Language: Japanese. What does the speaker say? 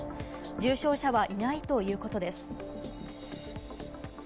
重症者はいないということです。